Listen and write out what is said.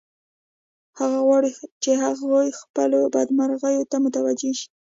هغه غواړي چې هغوی خپلو بدمرغیو ته متوجه نشي